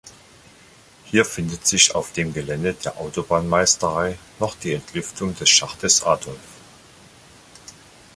Hier findet sich auf dem Gelände der Autobahnmeisterei noch die Entlüftung des Schachtes Adolph.